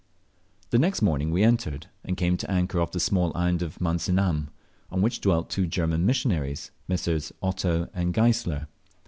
The next morning we entered, and came to anchor off the small island of Mansinam, on which dwelt two German missionaries, Messrs. Otto and Geisler.